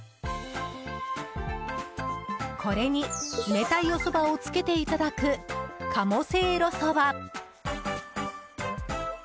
これに冷たいおそばをつけていただく、鴨せいろそば。